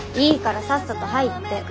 いいからさっさと入って。